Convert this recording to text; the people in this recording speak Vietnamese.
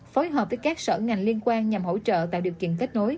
phối hợp với các sở ngành liên quan nhằm hỗ trợ tạo điều kiện kết nối